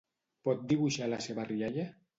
Pot dibuixar la seva rialla?